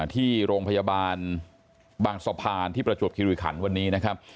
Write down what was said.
ที่โรงพยาบาลบางสะพานที่ประจวบคิริขันวันนี้นะครับ